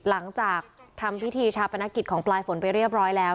หลังจากทำพิธีชาปนกิจของปลายฝนไปเรียบร้อยแล้ว